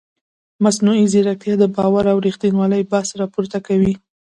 مصنوعي ځیرکتیا د باور او ریښتینولۍ بحث راپورته کوي.